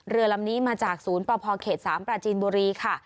เรือลำนี้มาจากศูนย์ปภเขต๓ปราจีนบุรีค่ะ